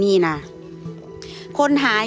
ถึงปล่อย